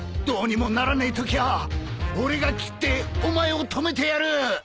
どうにもならねえときゃあ俺が斬ってお前を止めてやる。